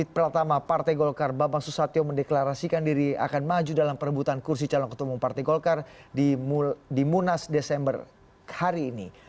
pertama partai golkar bambang susatyo mendeklarasikan diri akan maju dalam perebutan kursi calon ketua umum partai golkar di munas desember hari ini